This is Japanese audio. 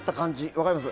分かります？